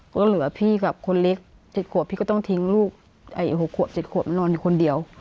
ก็เหลือพี่กับคนเล็ก๗ขวบพี่ก็ต้องทิ้งลูก๖ขวบ๗ขวบมานอนอยู่คนเดียว